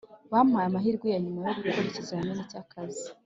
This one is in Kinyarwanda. Bampaye amahirwe yanyuma yogukora ikizamini cyakazi